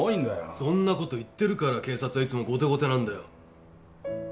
そんなこと言ってるから警察はいつも後手後手なんだよ。